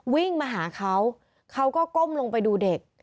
วิ่งมาหาเขาเขาก็ก้มลงไปดูเด็ก